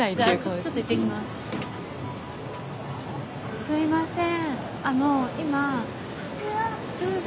すいません